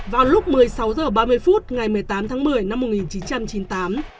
vào lúc một mươi sáu h ba mươi phút ngày một mươi tám tháng một mươi năm một nghìn chín trăm chín mươi tám